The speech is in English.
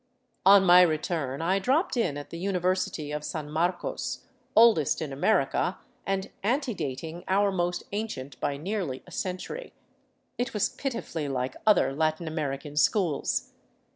On my return I dropped in at the University of San Marcos, oldest in America and antedating our most ancient by nearly a century. It was pitifully like other Latin American schools.